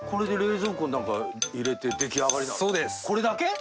これだけ？